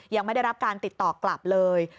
ยังไม่ได้รับการติดต่อกลับเลย